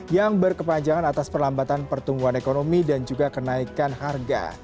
yang berkepanjangan atas perlambatan pertumbuhan ekonomi dan juga kenaikan harga